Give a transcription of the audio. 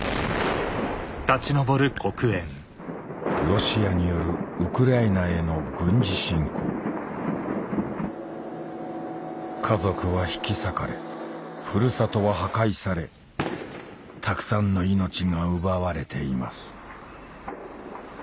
ロシアによるウクライナへの軍事侵攻家族は引き裂かれふるさとは破壊されたくさんの命が奪われています